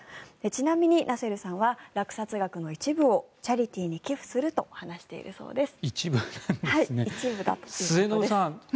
ちなみにナセルさんは落札価格の一部をチャリティーに寄付すると話しているそうです。